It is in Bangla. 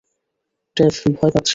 ডেভ, ভয় পাচ্ছি।